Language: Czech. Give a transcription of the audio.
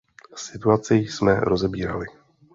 Situaci jsme rozebírali.